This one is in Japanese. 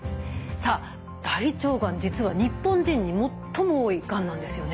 さあ大腸がん実は日本人に最も多いがんなんですよね。